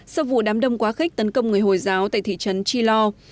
sau vụ đám đông quá khích tấn công người hồi giáo tại thị trấn chilor